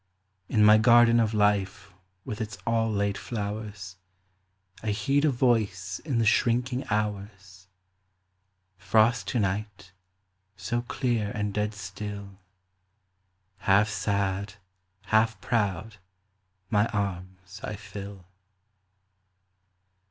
.... .In my garden of Life with its all late flowersI heed a Voice in the shrinking hours:"Frost to night—so clear and dead still" …Half sad, half proud, my arms I fill.